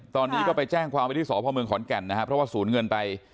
ตอนนี้ก็ไปแจ้งความไว้ที่สพเมืองขอนแก่นนะครับเพราะว่าศูนย์เงินไป